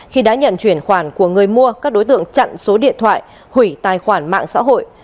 khi đã nhận chuyển khoản của người mua các đối tượng chặn số điện thoại hủy tài khoản mạng xã hội